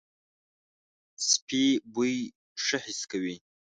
سپي بوی ښه حس کوي.